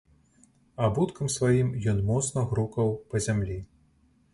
Абуткам сваім ён моцна грукаў па зямлі.